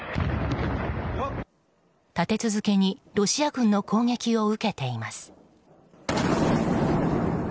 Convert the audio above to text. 立て続けにロシア軍の攻撃を受けています。